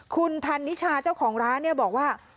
คุณธัญชาเจ้าของร้านบอกว่า